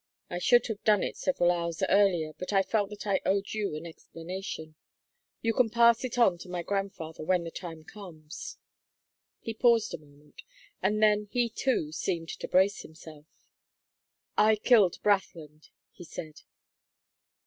"I should have done it several hours earlier, but I felt that I owed you an explanation. You can pass it on to my grandfather when the time comes." He paused a moment, and then he too seemed to brace himself. "I killed Brathland," he said.